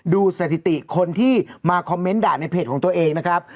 สถิติคนที่มาคอมเมนต์ด่าในเพจของตัวเองนะครับ